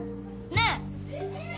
ねえ？